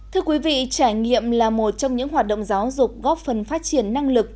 thưa quý vị trải nghiệm là một trong những hoạt động giáo dục góp phần phát triển năng lực